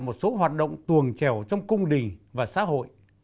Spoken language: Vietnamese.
một số hoạt động tuồng trèo trong cung đình và xã hội